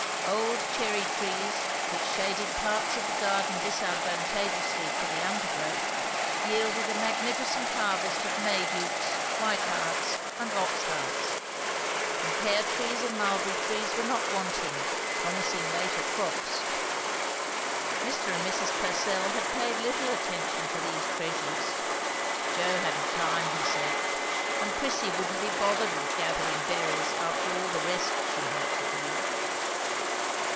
Old cherry trees, which shaded parts of the garden disadvantageously for the under growth, yielded a magnificent harvest of Maydukes, white hearts and ox hearts; and pear trees and mulberry trees were not wanting, promising later crops. Mr. and Mrs. Purcell had paid little attention to these treasures; Joe hadn't time, he said; and Prissy wouldn't be bothered with gathering berries after all the rest she had to do.